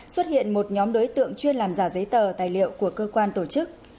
xuất hiện một nhóm đối tượng chuyên làm giả giấy tờ tài liệu của cơ quan tổ chức